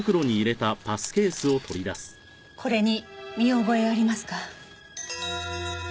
これに見覚えありますか？